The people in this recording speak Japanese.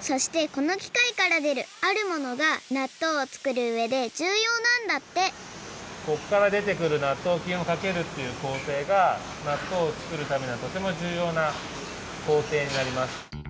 そしてこのきかいからでるあるものがなっとうをつくるうえでじゅうようなんだってこっからでてくるなっとうきんをかけるっていうこうていがなっとうをつくるためのとてもじゅうようなこうていになります。